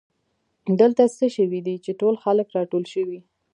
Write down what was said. دلته څه شوي دي چې ټول خلک راټول شوي